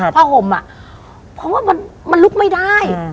ห่มอ่ะเพราะว่ามันลุกไม่ได้